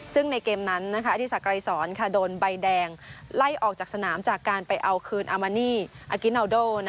ซึ่งในเกมนั้นอธิสักไกรสอนโดนใบแดงไล่ออกจากสนามจากการไปเอาคืนอามานี่อากินาวโด